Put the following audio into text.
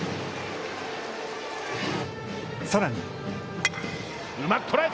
さらに。